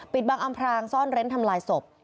บังอำพรางซ่อนเร้นทำลายศพ